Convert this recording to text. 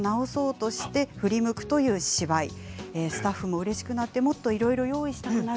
スタッフもうれしくなってもっといろいろ用意したくなる。